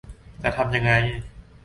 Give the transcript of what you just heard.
จะทำยังไง